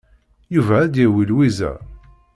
Yuba ad d-yawi Lwiza.